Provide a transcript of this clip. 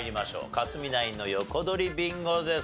克実ナインの横取りビンゴです。